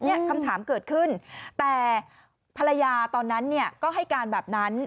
คำถามเกิดขึ้นแต่ภรรยาตอนนั้นเนี่ยก็ให้การแบบนั้น